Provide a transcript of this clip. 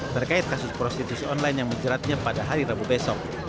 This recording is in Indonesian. terkait kasus prostitusi online yang menjeratnya pada hari rabu besok